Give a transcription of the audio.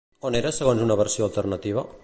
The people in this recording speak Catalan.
On era segons una versió alternativa?